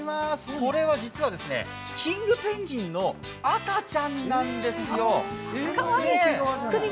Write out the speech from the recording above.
これはですね、キングペンギンの赤ちゃんなんですよ。